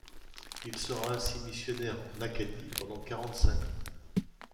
Il sera ainsi missionnaire en Acadie pendant quarante-cinq ans.